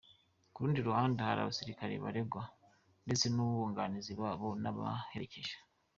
K’urundi ruhande hari abasilikare baregwa, ndetse n’abunganizi babo, n’ababaherekeje.